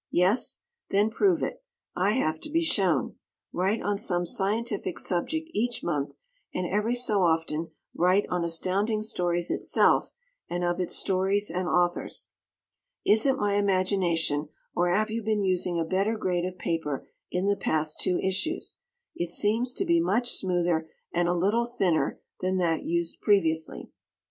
Yes? Then prove it. I have to be shown. Write on some scientific subject each month, and every so often write on Astounding Stories itself and of its stories and authors. Is it my imagination or have you been using a better grade of paper in the past two issues? it seems to be much smoother and a little thinner than that used previously.